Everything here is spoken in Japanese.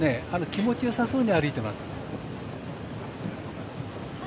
気持ちよさそうに歩いています。